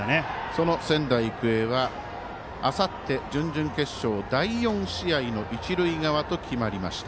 その仙台育英はあさって、準々決勝第４試合の一塁側と決まりました。